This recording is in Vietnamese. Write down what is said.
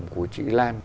của chị lan